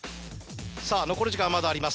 さぁ残り時間まだあります